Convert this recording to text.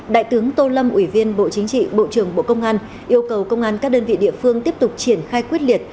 đại tướng tô lâm ủy viên bộ chính trị bộ trưởng bộ công an yêu cầu công an các đơn vị địa phương tiếp tục triển khai quyết liệt